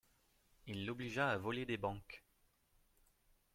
Il l'obligea à voler des banques.